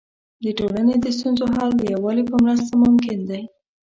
د ټولنې د ستونزو حل د یووالي په مرسته ممکن دی.